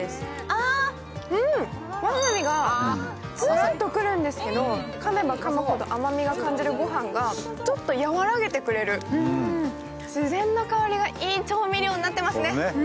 あ、わさびがツーンとくるんですけど、かめばかむほど甘みを感じる御飯がちょっと和らげてくれる、自然な香りがいい調味料になってますね。